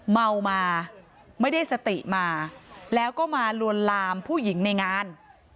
เมามาไม่ได้สติมาแล้วก็มาลวนลามผู้หญิงในงาน